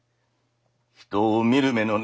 人を見る目のねえ